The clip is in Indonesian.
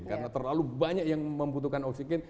karena terlalu banyak yang membutuhkan oksigen